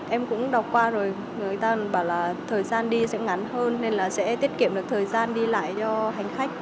em cũng đọc qua rồi người ta bảo là thời gian đi sẽ ngắn hơn nên là sẽ tiết kiệm được thời gian đi lại cho hành khách